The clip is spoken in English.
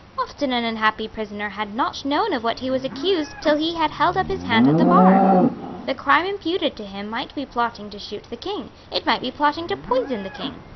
Often an unhappy prisoner had not known of what he was accused till he had held up his hand at the bar. The crime imputed to him might be plotting to shoot the King; it might be plotting to poison the King.